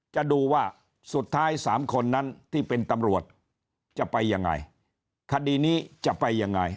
จะดูว่าสุดท้ายสามคนนั้นที่เป็นตำรวจจะไปยังไงคดีนี้จะไปยังไง